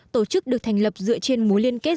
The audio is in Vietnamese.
tổ chức được thành lập dựa trên mối liên kết